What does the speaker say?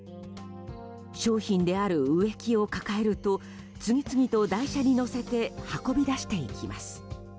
商品である植木を抱えると次々と台車に載せて運び出していきます。